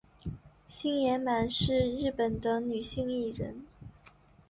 星野满是日本的女性艺人。